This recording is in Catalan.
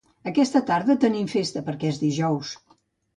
Aquesta tarda tenim festa perquè és dijous.